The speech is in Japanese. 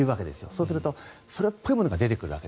そうするとそれっぽいものが出てくる。